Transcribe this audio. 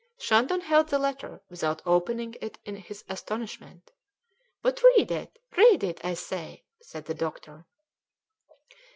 Shandon held the letter without opening it in his astonishment. "But read it, read it, I say," said the doctor.